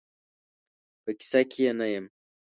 په کیسه کې یې نه یم.